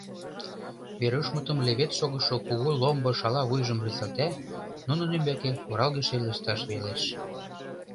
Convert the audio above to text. Верушмытым левед шогышо кугу ломбо шала вуйжым рӱзалта, нунын ӱмбаке оралгыше лышташ велеш.